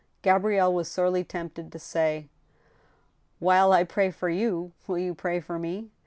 Gabrielle was sorely tempted to say :" While I pray for you, will you pray for me